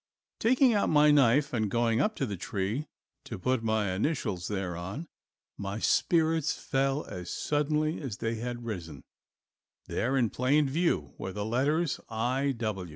Taking out my knife and going up to the tree to put my initials thereon, my spirits fell as suddenly as they had risen. There in plain view were the letters I.